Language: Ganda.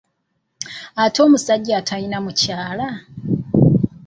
Ate omusajja atalina mukyala?